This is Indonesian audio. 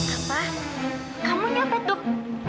apa kamu nyepet dok